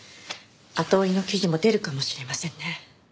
後追いの記事も出るかもしれませんね。